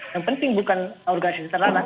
yang penting bukan organisasi internasional